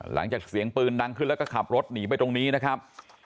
เสียงปืนดังขึ้นแล้วก็ขับรถหนีไปตรงนี้นะครับ